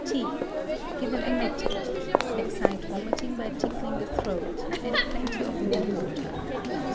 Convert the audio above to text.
T. Give an emetic; excite vomiting by tickling the throat, and plenty of warm water.